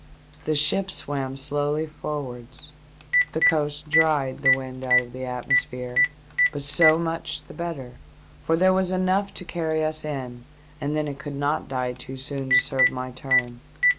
The ship swam slowly forwards. The coast dried the wind out of the atmosphere, but so much the better, for there was enough to carry us in, and then it could not die too soon to serve my turn.